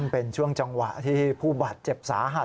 เป็นช่วงจังหวะที่ผู้บาดเจ็บสาหัส